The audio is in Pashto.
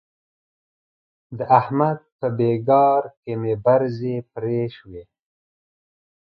د احمد په بېګار کې مې برځې پرې شوې.